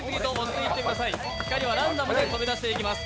光はランダムで飛び出していきます。